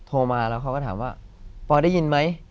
โทรมาแล้วเค้าก็ถามว่าปได้ยินมั้ย